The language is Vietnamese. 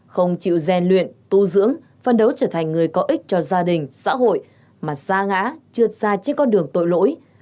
không chịu rèn luyện tu dưỡng phân đấu trở thành người có ích cho gia đình xã hội mà xa ngã trượt xa trên con đường tội lỗi